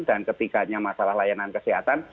dan ketiganya masalah layanan kesehatan